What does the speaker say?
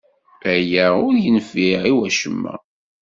Aya ur yenfiɛ i acemma.